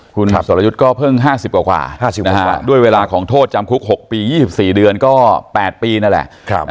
คุณสรยุทธ์ก็เพิ่ง๕๐กว่าด้วยเวลาของโทษจำคุก๖ปี๒๔เดือนก็๘ปีนั่นแหละ